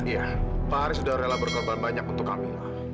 iya pak haris sudah rela berkorban banyak untuk kami